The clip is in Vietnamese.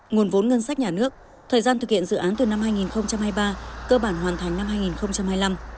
nguồn vốn ngân sách nhà nước thời gian thực hiện dự án từ năm hai nghìn hai mươi ba cơ bản hoàn thành năm hai nghìn hai mươi năm